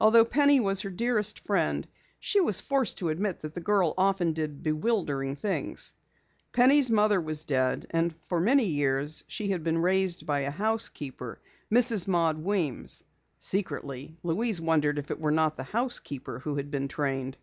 Although Penny was her dearest friend she was forced to admit that the girl often did bewildering things. Penny's mother was dead and for many years she had been raised by a housekeeper, Mrs. Maud Weems. Secretly Louise wondered if it were not the housekeeper who had been trained.